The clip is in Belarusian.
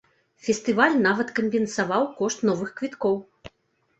Фестываль нават кампенсаваў кошт новых квіткоў.